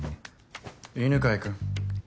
犬飼君。